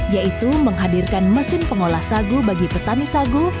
yaitu menghadirkan mesin pengolah sagu bagi petani sagu